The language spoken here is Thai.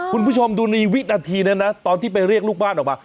คุณผู้ชมดูในวินาทีนั้นนะตอนที่ไปเรียกลูกบ้านออกมา